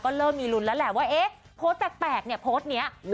ก็เริ่มมีลุ้นแล้วแหละว่าเอ๊ะโพสต์แปลกเนี่ยโพสต์นี้